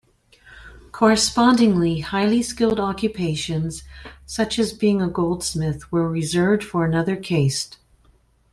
Correspondingly, highly skilled occupations, such as being a goldsmith, were reserved for another caste.